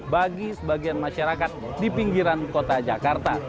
bagi sebagian masyarakat di pinggiran kota jakarta